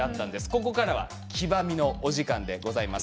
ここからは黄ばみのお時間でございます。